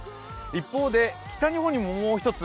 一方で、北日本にももう一つ